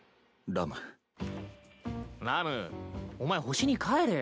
ラムお前星に帰れよ。